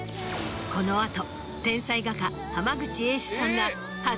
この後。